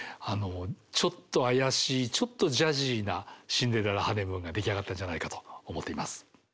ちょっとあやしいちょっとジャジーな「シンデレラ・ハネムーン」が出来上がったんじゃないかと思っています。